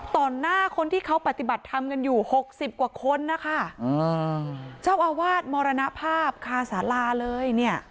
ตอนหน้าคนที่เขาปฏิบัติทำกันอยู่๖๐กว่าคนนะคะเจ้าอาวาสมรณภาพค่ะสาลาเลยเนี่ย